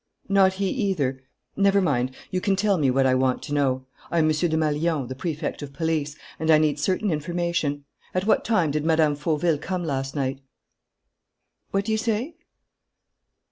Not he, either?... Never mind, you can tell me what I want to know. I am M. Desmalions, the Prefect of Police, and I need certain information. At what time did Mme. Fauville come last night?... What do you say?...